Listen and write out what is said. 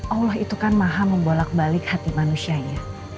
allah itu kan maha membolak balik hati manusianya